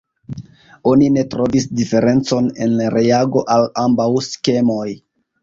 Oni ne trovis diferencon en reago al ambaŭ skemoj.